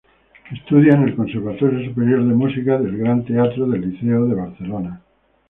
Estudia en el Conservatorio Superior de Música del Gran Teatro del Liceo de Barcelona.